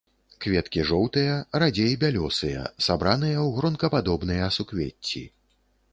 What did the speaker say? Кветкі жоўтыя, радзей бялёсыя, сабраныя ў гронкападобныя суквецці.